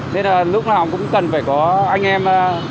nên lúc nào cũng cần phải có anh em